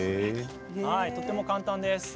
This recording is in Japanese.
とても簡単です。